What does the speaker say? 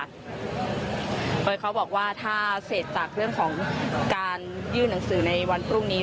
โดยเขาบอกว่าถ้าเสร็จจากเรื่องของการยื่นหนังสือในวันพรุ่งนี้